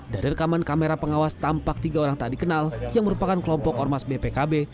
dari rekaman kamera pengawas tampak tiga orang tak dikenal yang merupakan kelompok ormas bpkb